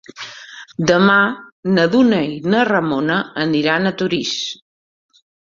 Demà na Duna i na Ramona aniran a Torís.